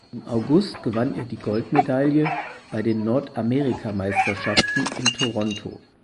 Im August gewann er die Goldmedaille bei den Nordamerikameisterschaften in Toronto.